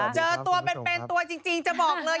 เจอตัวเป็นตัวจริงจะบอกเลย